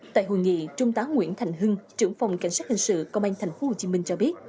tại hội nghị trung tá nguyễn thành hưng trưởng phòng cảnh sát hình sự công an tp hcm cho biết